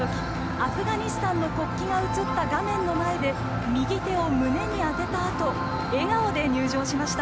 アフガニスタンの国旗が映った画面の前で右手を胸に当てたあと笑顔で入場しました。